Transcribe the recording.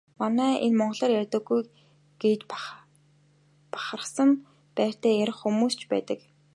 Манай энэ монголоор ярьдаггүй гэж бахархсан байртай ярих хүмүүс ч байдаг.